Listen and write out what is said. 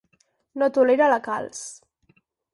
No tolera la calç.